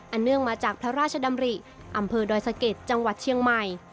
เนื่องมาจากพระราชดำริอำเภอดอยสะเก็ดจังหวัดเชียงใหม่